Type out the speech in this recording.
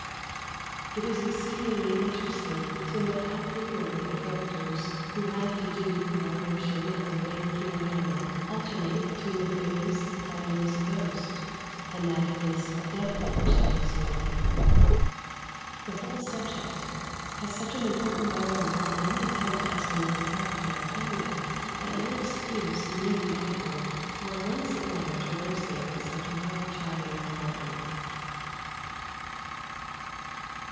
It is exceedingly interesting to note how frequently the characters who have to do with the apparition of the late King Hamlet alternate between the theories that it is a ghost and that it is a devil which they have seen. The whole subject has such an important bearing upon any attempt to estimate the character of Hamlet, that no excuse need be offered for once again traversing such well trodden ground.